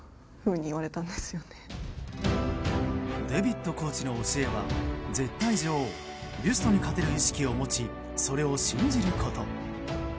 デビットコーチの教えは絶対女王ビュストに勝てる意識を持ちそれを信じること。